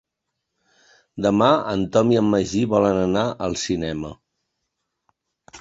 Demà en Tom i en Magí volen anar al cinema.